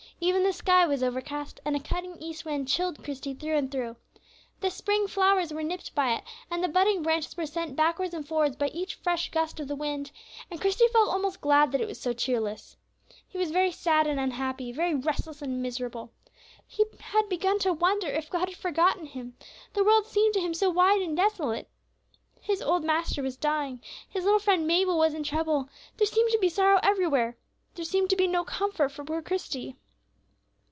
Even the sky was overcast, and a cutting east wind chilled Christie through and through. The spring flowers were nipped by it, and the budding branches were sent backwards and forwards by each fresh gust of the wind, and Christie felt almost glad that it was so cheerless. He was very sad and unhappy, very restless and miserable. He had begun to wonder if God had forgotten him; the world seemed to him so wide and desolate. His old master was dying, his little friend Mabel was in trouble, there seemed to be sorrow everywhere. There seemed to be no comfort for poor Christie.